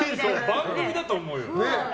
番組だと思うよね。